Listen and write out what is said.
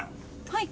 はい？